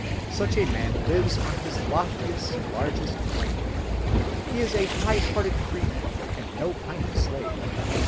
Such a man lives on his loftiest, largest plane. He is a high‐hearted freeman and no pining slave.